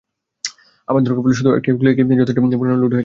আবার দরকার পড়লে শুধু একটি ক্লিকই যথেষ্ট, পুনরায় লোড হয়ে যাবে ট্যাবটি।